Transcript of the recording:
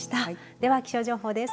では気象情報です。